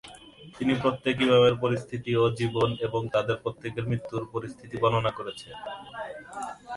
তিনি প্রত্যেক ইমামের পরিস্থিতি ও জীবন এবং তাদের প্রত্যেকের মৃত্যুর পরিস্থিতি বর্ণনা করছেন।